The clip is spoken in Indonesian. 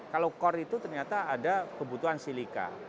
kalau core itu ternyata ada kebutuhan silika